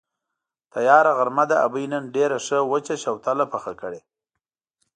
تیاره غرمه ده، ابۍ نن ډېره ښه وچه شوتله پخه کړې.